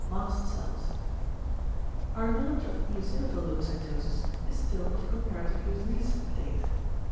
Mast cells.~ Our knowledge of eosinophil leucocytosis is still of comparatively recent date.